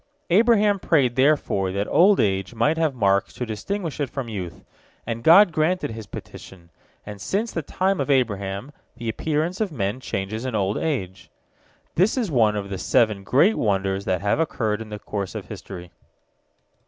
Abraham prayed therefore that old age might have marks to distinguish it from youth, and God granted his petition, and since the time of Abraham the appearance of men changes in old age. This is one of the seven great wonders that have occurred in the course of history.